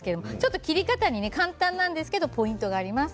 切り方に簡単なんですけどポイントがあります。